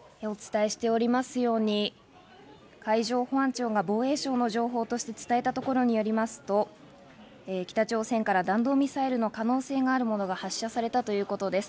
お伝えしておりますように、海上保安庁が防衛省の情報として伝えたところによりますと、北朝鮮から弾道ミサイルの可能性があるものが発射されたということです。